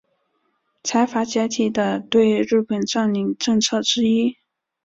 财阀解体的对日本占领政策之一。